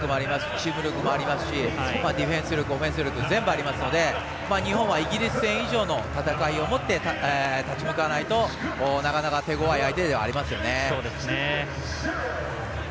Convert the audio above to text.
チーム力もありますしディフェンス力、オフェンス力全部ありますので日本はイギリス戦以上の戦いをもって立ち向かわないとなかなか手ごわい相手ではありますよね。